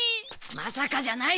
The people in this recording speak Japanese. まさかじゃない。